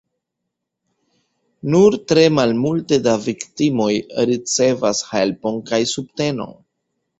Nur tre malmulte da viktimoj ricevas helpon kaj subtenon.